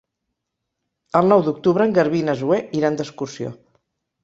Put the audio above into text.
El nou d'octubre en Garbí i na Zoè iran d'excursió.